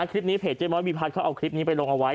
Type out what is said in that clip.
คลิปนี้เพจเจ๊ม้อยวิพัฒน์เขาเอาคลิปนี้ไปลงเอาไว้